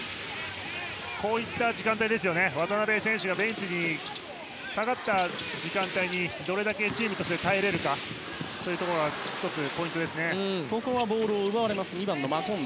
こういった時間帯ですよね渡邊選手がベンチに下がった時間帯にどれだけチームとして耐えられるかが１つ、ポイントですね。